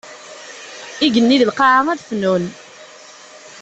Igenni d lqaɛa ad fnun.